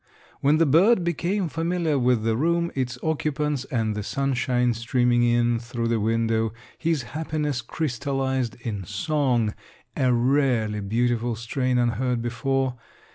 When the bird became familiar with the room, its occupants and the sunshine streaming in through the window, his happiness crystallized in song, a rarely beautiful strain unheard before.